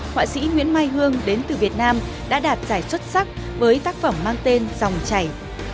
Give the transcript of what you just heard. họa sĩ nguyễn mai hương đến từ việt nam đã đạt giải xuất sắc với tác phẩm mang tên dòng chảy